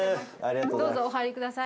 どうぞお入りください。